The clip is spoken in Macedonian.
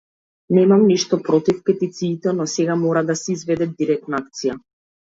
Немам ништо против петициите, но сега мора да се изведе директна акција.